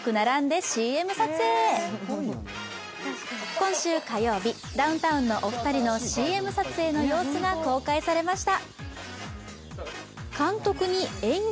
今週火曜日、ダウンタウンのお二人のＣＭ撮影の様子が公開されました。